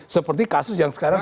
seperti kasus yang sekarang